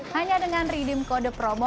hanya dengan ridim kode promo